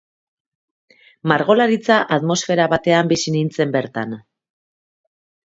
Margolaritza atmosfera batean bizi nintzen bertan.